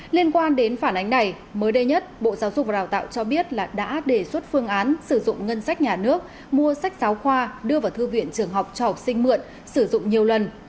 liên quan đến phản ánh này mới đây nhất bộ giáo dục và đào tạo cho biết là đã đề xuất phương án sử dụng ngân sách nhà nước mua sách giáo khoa đưa vào thư viện trường học cho học sinh mượn sử dụng nhiều lần